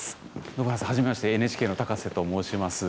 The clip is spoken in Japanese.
ごめんなさい、初めましてＮＨＫの高瀬と申します。